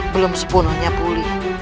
belum sepenuhnya pulih